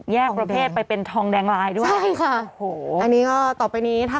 ประเภทไปเป็นทองแดงลายด้วยใช่ค่ะโอ้โหอันนี้ก็ต่อไปนี้ถ้า